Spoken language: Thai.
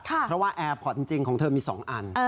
เพราะว่าแอร์พอร์ตจริงของเธอมี๒อัน